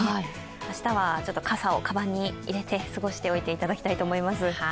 明日は傘をかばんに入れて過ごしておいていただきたいと思います。